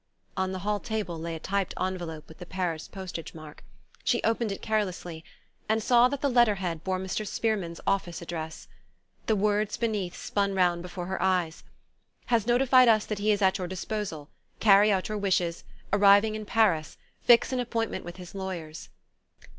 On the hall table lay a typed envelope with the Paris postage mark. She opened it carelessly, and saw that the letter head bore Mr. Spearman's office address. The words beneath spun round before her eyes.... "Has notified us that he is at your disposal... carry out your wishes... arriving in Paris... fix an appointment with his lawyers...."